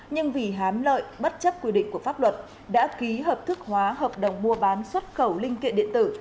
nhưng vì hám lợi bất chấp quy định của pháp luật đã ký hợp thức hóa hợp đồng mua bán xuất khẩu linh kiện điện tử